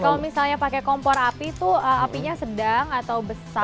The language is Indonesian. kalau misalnya pakai kompor api itu apinya sedang atau besar